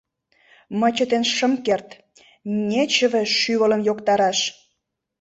Мый чытен шым керт — нечыве шӱвылым йоктараш.